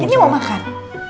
ini mau makan